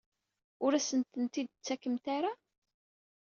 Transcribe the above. Ur asent-tent-id-tettakemt ara?